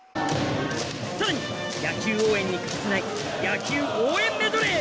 さらに野球応援に欠かせない野球応援メドレー